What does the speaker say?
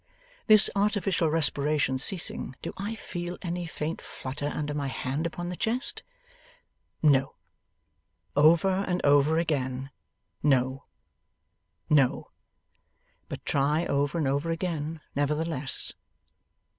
This artificial respiration ceasing, do I feel any faint flutter under my hand upon the chest? No. Over and over again No. No. But try over and over again, nevertheless.